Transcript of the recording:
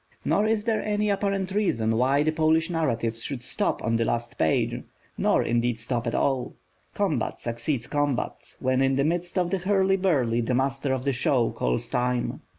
Nor is there any apparent reason why the Polish narratives should stop on the last page, nor indeed stop at all. Combat succeeds combat, when in the midst of the hurly burly, the Master of the Show calls time.